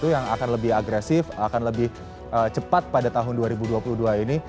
yang akan lebih agresif akan lebih cepat pada tahun dua ribu dua puluh dua ini